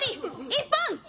１本！